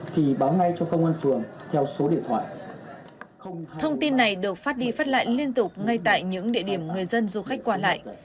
thông tin này được phát đi phát lại liên tục ngay tại những địa điểm người dân du khách qua lại